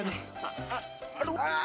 thank you banget jack